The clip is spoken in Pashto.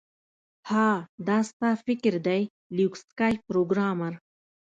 ها دا ستا فکر دی لیوک سکای پروګرامر